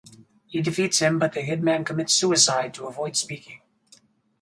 He defeats him but the hitman commits suicide to avoid speaking.